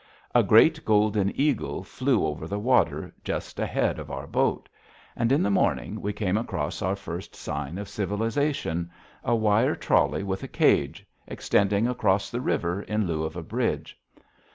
A great golden eagle flew over the water just ahead of our boat. And in the morning we came across our first sign of civilization a wire trolley with a cage, extending across the river in lieu of a bridge.